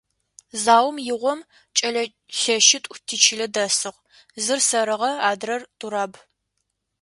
Заом игъом кӏэлэ лъэщитӏу тичылэ дэсыгъ; зыр – сэрыгъэ, адрэр – Тураб.